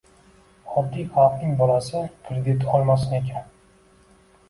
Oddiy xalqning bolasi kredit olmasin ekan.